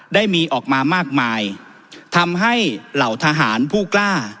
ได้มีออกมามากมายทำให้เหล่าทหารผู้กล้า